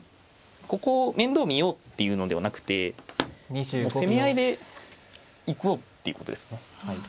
ここを面倒見ようっていうのではなくて攻め合いでいこうっていうことですね。